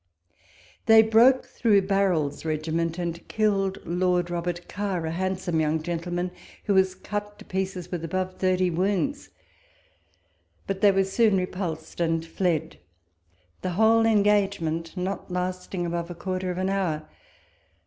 They broke through Barril's regiment, and killed Lord Robert Kerr, a handsome young gentleman, who was cut to pieces with above thirty wounds ; but they were soon repulsed, and fled ; the whole engagement not lasting above a quarter of an hour.